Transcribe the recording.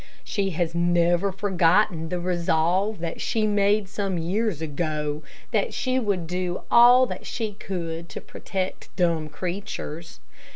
She has never forgotten the resolve that she made some years ago, that she would do all that she could to protect dumb creatures.